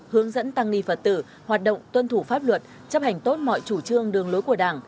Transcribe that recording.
hướng dẫn tăng ni phật tử hoạt động tuân thủ pháp luật chấp hành tốt mọi chủ trương đường lối của đảng